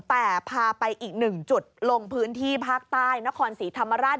แต่พาไปอีกหนึ่งจุดลงพื้นที่ภาคใต้นครศรีธรรมราช